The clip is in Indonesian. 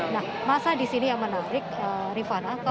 nah masa di sini yang menarik rifana